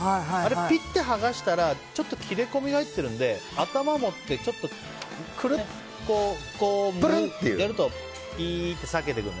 ピッて剥がしたらちょっと切れ込みが入ってるので頭を持ってちょっとくるっとやるとピーって裂けて。